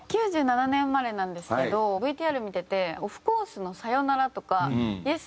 １９９７年生まれなんですけどＶＴＲ見ててオフコースの。